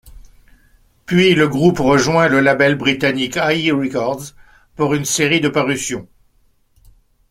Puis le groupe rejoint le label britannique Ai Records pour une série de parutions.